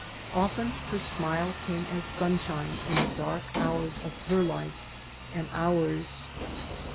Often her smile came as suoshine in the dark hours of her life and ours.